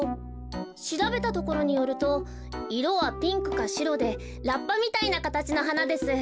しらべたところによるといろはピンクかシロでラッパみたいなかたちのはなです。